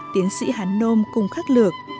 tiến sĩ hán nôm cùng khắc lược